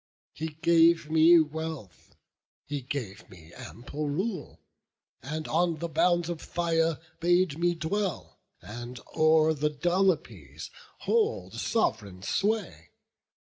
He gave me wealth, he gave me ample rule; And on the bounds of Phthia bade me dwell, And o'er the Dolopes hold sov'reign sway.